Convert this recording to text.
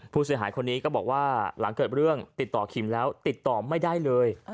ผู้เสียหายคนนี้ก็บอกว่าหลังเกิดเรื่องติดต่อคิมแล้วติดต่อไม่ได้เลย